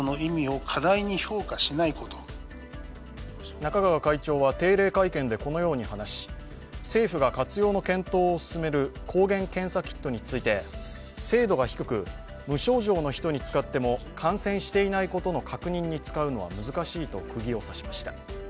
中川会長は定例会見でこのように話し政府が活用の検討を進める抗原検査キットについて精度が低く、無症状の人に使っても感染していないことの確認に使うのは難しいと釘を刺しました。